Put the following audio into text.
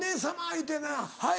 言うて「はい」。